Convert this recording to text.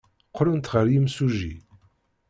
Qqlent ɣer yimsujji.